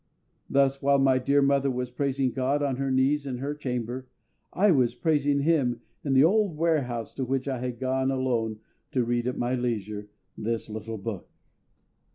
Thus while my dear mother was praising GOD on her knees in her chamber, I was praising Him in the old warehouse to which I had gone alone to read at my leisure this little book.